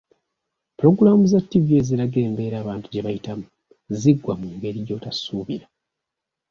Pulogulaamu za ttivi eziraga embeera abantu gye bayitamu ziggwa mu ngeri gy'otasuubira.